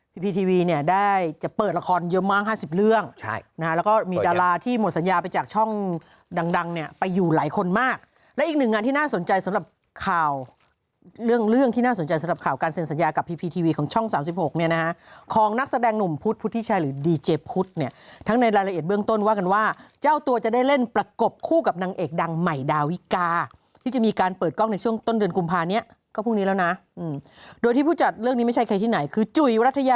พีพีทีวีเนี่ยได้จะเปิดละครเยอะมาก๕๐เรื่องใช่นะแล้วก็มีดาราที่หมดสัญญาไปจากช่องดังเนี่ยไปอยู่หลายคนมากและอีกหนึ่งอันที่น่าสนใจสำหรับข่าวเรื่องเรื่องที่น่าสนใจสำหรับข่าวการเซ็นสัญญากับพีพีทีวีของช่อง๓๖เนี่ยนะของนักแสดงหนุ่มพุธพุธิชายหรือดีเจพุธเนี่ยทั้งในรายละเอียดเบื้องต้